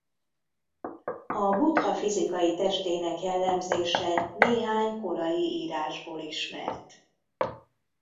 A Buddha fizikai testének jellemzése néhány korai írásból ismert.